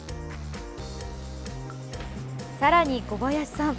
さらに、小林さん